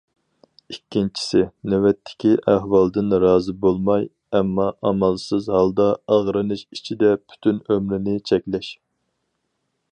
ئىككىنچىسى، نۆۋەتتىكى ئەھۋالدىن رازى بولماي ئەمما ئامالسىز ھالدا، ئاغرىنىش ئىچىدە پۈتۈن ئۆمرىنى چەكلەش.